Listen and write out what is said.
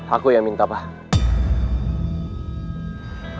aku yang minta pak